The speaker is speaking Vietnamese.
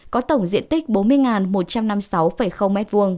có tổng diện tích bốn mươi một trăm năm mươi sáu m hai